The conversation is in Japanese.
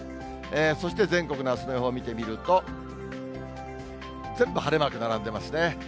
そして全国のあすの予報見てみると、全部晴れマーク並んでますね。